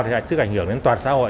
thì lại sức ảnh hưởng đến toàn xã hội